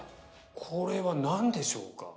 これは何でしょうか？